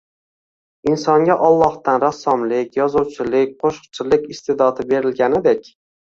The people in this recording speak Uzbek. Insonga Ollohdan rassomlik, yozuvchilik, qo‘shiqchilik iste’dodi berilganidek